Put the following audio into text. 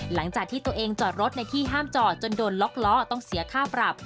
หลังจากที่ตัวเองจอดรถในที่ห้ามจอดจนโดนล็อกล้อต้องเสียค่าปรับ